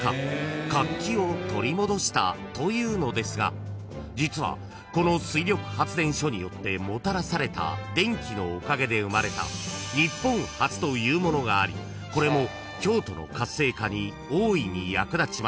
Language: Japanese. ［活気を取り戻したというのですが実はこの水力発電所によってもたらされた電気のおかげで生まれた日本初というものがありこれも京都の活性化に大いに役立ちました］